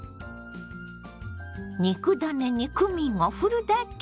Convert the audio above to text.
肉ダネにクミンをふるだけ！